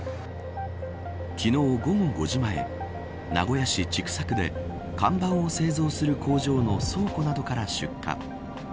昨日、午後５時前名古屋市千種区で看板を製造する工場の倉庫などから出火。